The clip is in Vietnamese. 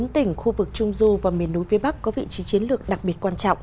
bốn tỉnh khu vực trung du và miền núi phía bắc có vị trí chiến lược đặc biệt quan trọng